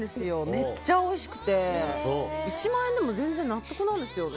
めっちゃおいしくて１万円でも全然、納得なんですよね。